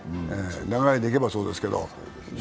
流れでいけばそうですけど。